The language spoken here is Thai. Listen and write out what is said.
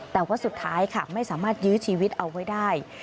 แต่ว่าสุดท้ายค่ะไม่สามารถยื้อชีวิตเอาไว้ได้